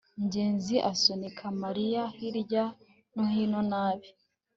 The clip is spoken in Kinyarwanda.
ngenzi asunika mariya hirya no hino nabi